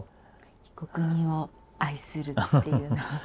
被告人を愛するっていうのは。